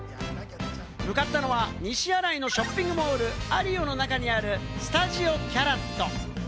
向かったのは西新井のショッピングモール・アリオの中にあるスタジオキャラット。